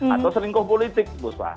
atau selingkuh politik bu spa